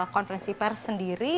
konversi pers sendiri